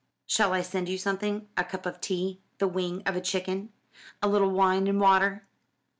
"Shall I send you something? A cup of tea, the wing of a chicken, a little wine and water?"